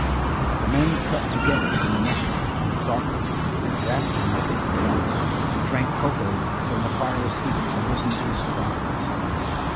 The men crept together in the mess room in the darkling, wrapped in what they could find and drank cocoa from the fireless heaters and listened to his cries.